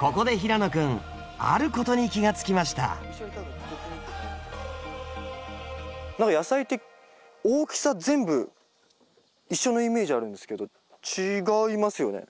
ここで平野君あることに気がつきました何か野菜って大きさ全部一緒のイメージあるんですけど違いますよね。